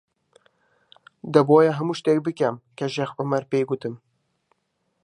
دەبووایە هەموو شتێک بکەم کە شێخ عومەر پێی گوتم.